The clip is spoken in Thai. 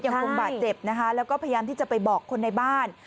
ยังคงบาดเจ็บนะคะแล้วก็พยายามที่จะไปบอกคนในบ้าน